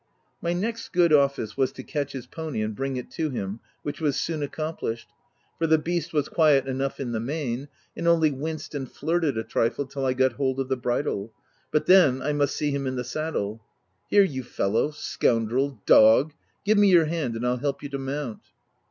My next good office was to catch his pony and bring it to him, which was soon ac complished ; for the beast was quiet enough in the main, and only winced and flirted a trifle, VOL. 1. M 242 THE TENANT till I got a hold of the bridle, — but then, I must see him in the saddle. "Here, you fellow — scoundrel — dog — give me your hand, and Pll help you to mount."